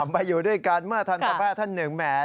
มาอยู่ด้วยกันเมื่อทันตแพทย์ท่านหนึ่งแหม